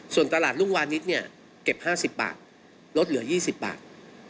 ส่วนตลาดรุงวานิสเก็บ๕๐บาทรถเหลือ๒๐บาท